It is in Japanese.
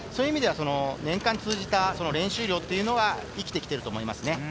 年間を通じた練習量が生きてきていると思います。